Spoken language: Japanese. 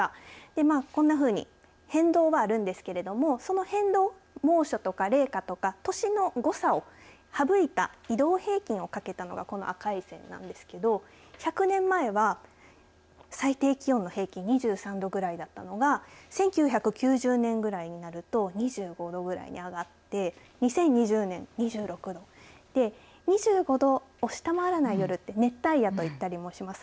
今こんなふうに変動はあるんですがその変動、猛暑とか冷夏とか年の誤差を省いた移動平均をかけたのがこの赤い線なんですけれど１００年前は最低気温の平均２３度ぐらいだったのが１９９０年ぐらいになると２５度ぐらいに上がって２０２０年、２６度２５度を下回らない夜って熱帯夜と言ったりします。